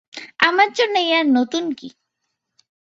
আমার জন্য এ আর নতুন কি।